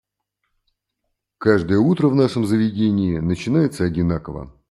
Каждое утро в нашем заведении начинается одинаково.